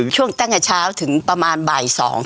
ตั้งแต่เช้าถึงประมาณบ่าย๒